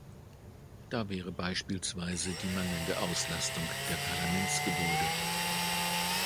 Da wäre beispielsweise die mangelnde Auslastung der Parlamentsgebäude.